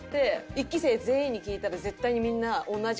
１期生全員に聞いたら絶対にみんな同じ事言いますね。